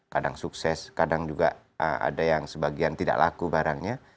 kadang sukses kadang juga ada yang sebagian tidak laku barangnya